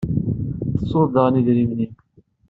Tettuḍ daɣen idrimen-nnem.